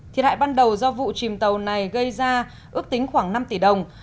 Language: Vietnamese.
thiệt hại ban đầu do vụ chìm tàu này gây ra ước tính khoảng năm tỷ đồng